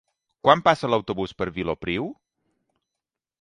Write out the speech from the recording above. Quan passa l'autobús per Vilopriu?